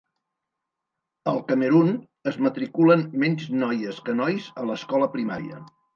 Al Camerun es matriculen menys noies que nois a l'escola primària.